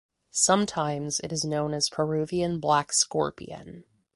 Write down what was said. Sometimes it is known as Peruvian black scorpion.